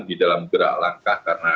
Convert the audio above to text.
di dalam gerak langkah karena